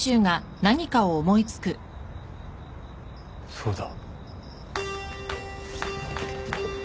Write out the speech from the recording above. そうだ。